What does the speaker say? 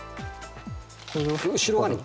後ろがね